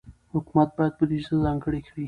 حکومت باید بودجه ځانګړې کړي.